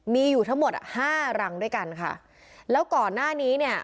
มีอยู่ทั้งหมดอ่ะห้ารังด้วยกันค่ะแล้วก่อนหน้านี้เนี่ย